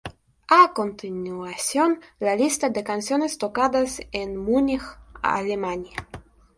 A continuación la lista de canciones tocadas en Múnich, Alemania.